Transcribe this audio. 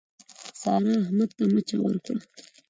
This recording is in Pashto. سارا، احمد ته مچه ورکړه.